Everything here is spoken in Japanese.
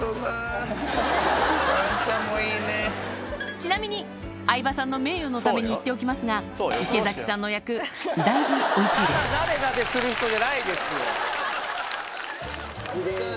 ちなみに相葉さんの名誉のために言っておきますが池崎さんの役だいぶおいしいですただナデナデする人じゃないですよ！